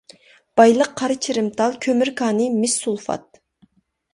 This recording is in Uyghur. بايلىق قارا چىرىمتال، كۆمۈر كانى، مىس سۇلفات.